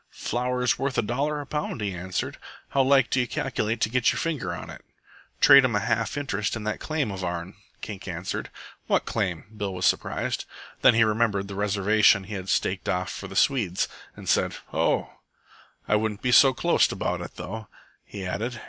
"Flour's worth a dollar a pound," he answered. "How like do you calculate to get your finger on it?" "Trade 'm a half interest in that claim of ourn," Kink answered. "What claim?" Bill was surprised. Then he remembered the reservation he had staked off for the Swedes, and said, "Oh!" "I wouldn't be so clost about it, though," he added.